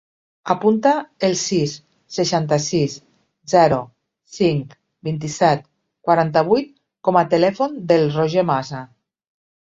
Apunta el sis, seixanta-sis, zero, cinc, vint-i-set, quaranta-vuit com a telèfon del Roger Masa.